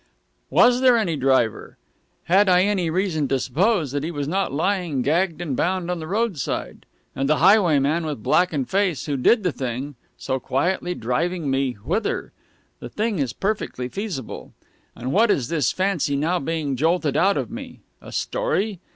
Was there any driver? Had I any reason to suppose that he was not lying gagged and bound on the roadside, and the highwayman with blackened face who did the thing so quietly driving me whither? The thing is perfectly feasible. And what is this fancy now being jolted out of me? A story?